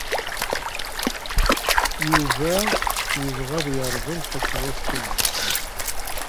Yuba yebɣa ad yerḍel takeṛṛust-nnek.